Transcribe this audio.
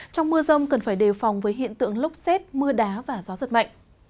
trong mưa rông cần phải đề phòng với hiện tượng lốc xét mưa đá và gió giật mạnh